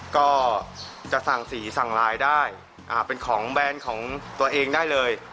ก็จะสั่งสีสั่งไลน์ได้เป็นของแบรนด์ของตัวเองได้เลย